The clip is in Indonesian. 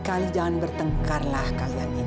kalo kamu nunggu pas kebini dip muslim